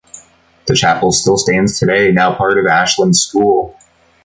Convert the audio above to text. The chapel still stands today, now part of Ashlyns School.